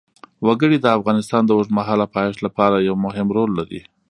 وګړي د افغانستان د اوږدمهاله پایښت لپاره یو مهم رول لري.